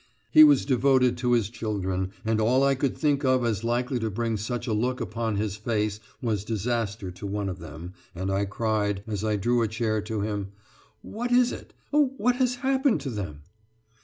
He was devoted to his children, and all I could think of as likely to bring such a look upon his face was disaster to one of them, and I cried, as I drew a chair to him: "What is it? Oh, what has happened to them?"